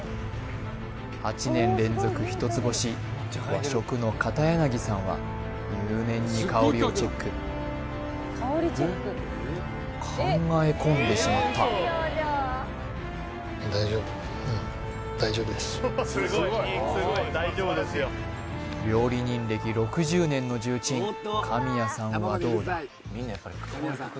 ８年連続一つ星和食の片柳さんは入念に香りをチェック考え込んでしまった料理人歴６０年の重鎮神谷さんはどうだ？